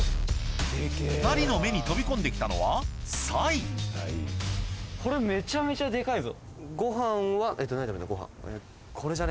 ２人の目に飛び込んできたのはこれめちゃめちゃデカイぞ。